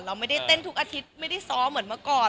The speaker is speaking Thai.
เราไม่ได้เต้นทุกอาทิตย์ไม่ได้ซ้อมเหมือนเมื่อก่อน